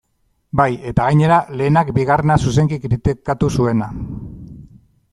Bai, eta gainera, lehenak bigarrena zuzenki kritikatu zuena.